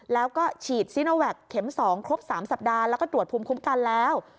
แล้วก็ฉีดซีโนแวคเข็ม๒ครบ๓สัปดาห์แล้วก็ตรวจภูมิคุ้มกันแล้ว